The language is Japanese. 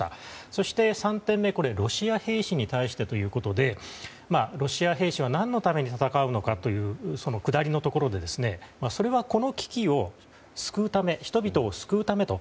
そして３点目、ロシア兵士に対してということでロシア兵士は何のために戦うのかというくだりのところでそれは、この危機を救うため人々を救うためと。